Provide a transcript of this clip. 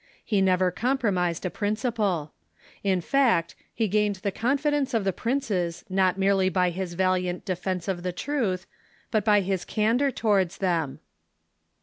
He never compromised a principle. In fact, he trained the confidence of the princes not merely by his valiant defence of the truth, but by his candor towards them.